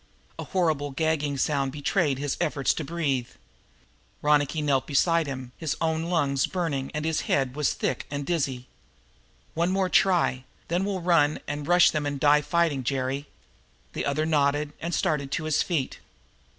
A horrible gagging sound betrayed his efforts for breath. Ronicky knelt beside him. His own lungs were burning, and his head was thick and dizzy. "One more try, then we'll turn and rush them and die fighting, Jerry." The other nodded and started to his feet.